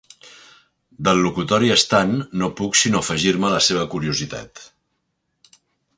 Del locutori estant no puc sinó afegir-me a la seva curiositat.